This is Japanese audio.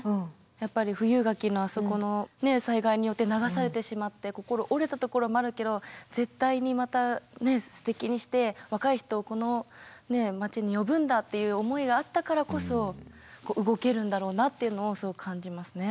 やっぱり富有柿のあそこの災害によって流されてしまって心折れたところもあるけど絶対にまたねっすてきにして若い人をこの町に呼ぶんだっていう思いがあったからこそ動けるんだろうなっていうのをすごく感じますね。